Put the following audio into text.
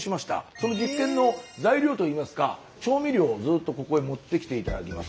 その実験の材料といいますか調味料をずっとここへ持ってきて頂けますでしょうか。